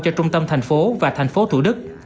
cho trung tâm thành phố và thành phố thủ đức